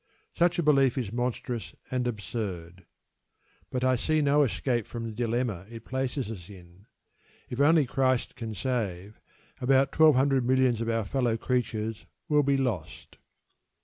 Such a belief is monstrous and absurd. But I see no escape from the dilemma it places us in. If only Christ can save, about twelve hundred millions of our fellow creatures will be lost.